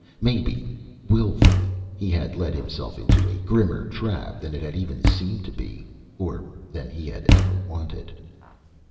Maybe, willfully, he had led himself into a grimmer trap than it had even seemed to be or than he had ever wanted....